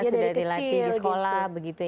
sudah dilatih di sekolah begitu ya